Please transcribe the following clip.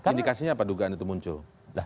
indikasinya apa dugaan itu muncul